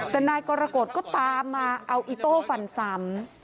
แต่นายกรกฎก็ตามมาเอาอิโต้ฟันซ้ำ